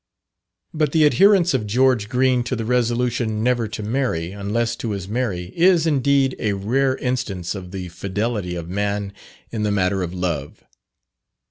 But the adherence of George Green to the resolution never to marry, unless to his Mary, is, indeed, a rare instance of the fidelity of man in the matter of love.